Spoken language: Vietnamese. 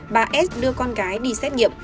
bà s đưa con gái đi xét nghiệm